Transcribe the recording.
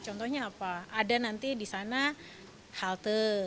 contohnya apa ada nanti di sana halte